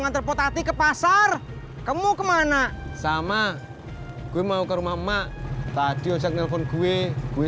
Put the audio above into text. ngantre potati ke pasar kamu kemana sama gue mau ke rumah emak tadi usah telepon gue gue